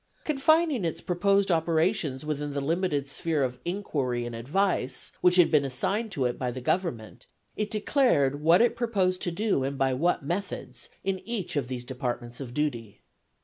Confining its proposed operations within the limited sphere of "inquiry" and "advice," which had been assigned to it by the Government, it declared what it proposed to do and by what methods in each of these departments of duty.